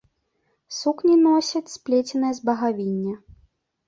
Сукні носяць сплеценыя з багавіння.